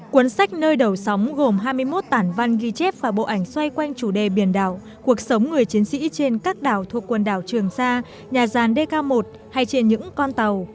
cuốn sách nơi đầu sóng gồm hai mươi một tản văn ghi chép và bộ ảnh xoay quanh chủ đề biển đảo cuộc sống người chiến sĩ trên các đảo thuộc quần đảo trường sa nhà gian dk một hay trên những con tàu